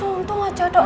tuh untung aja dong